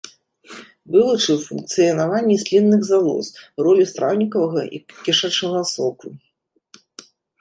Вывучыў функцыянаванне слінных залоз, ролю страўнікавага і кішачнага соку.